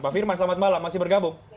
pak firman selamat malam masih bergabung